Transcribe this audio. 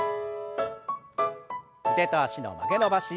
腕と脚の曲げ伸ばし。